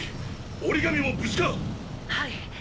折紙も無事か⁉「はい！」